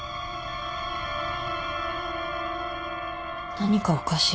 何かおかしい。